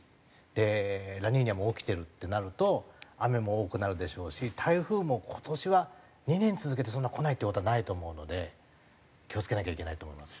でラニーニャも起きてるってなると雨も多くなるでしょうし台風も今年は２年続けてそんな来ないって事はないと思うので気を付けなきゃいけないと思います。